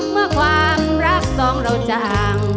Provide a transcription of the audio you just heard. เมื่อความรักสองเราจาง